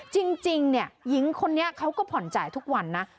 จริงหญิงคนนี้เขาก็ผ่อนจ่ายทุกวันนะ